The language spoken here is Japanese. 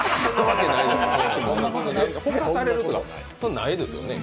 そんなわけないですよ。